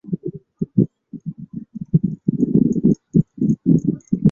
其祖先分别是高句丽的王族高丽若光和背奈福德。